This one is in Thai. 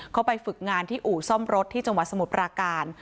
เขาไปฝึกงานที่อู่ซ่อมรถที่จังหวัดสมุทรปราการ